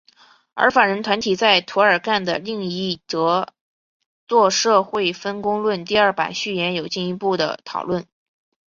而法人团体在涂尔干的另一着作社会分工论第二版序言有进一步的讨论。